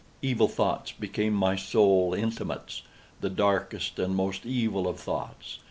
Evil thoughts became my sole intimates—the darkest and most evil of thoughts.